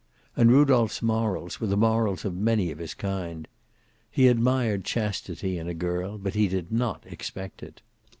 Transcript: And Rudolph's morals were the morals of many of his kind. He admired chastity in a girl, but he did not expect it.